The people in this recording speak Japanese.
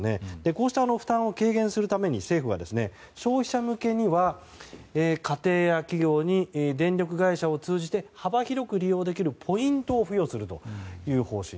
こうした負担を軽減するために政府は消費者向けには家庭や企業に電力会社を通じて幅広く利用できるポイントを付与するという方針。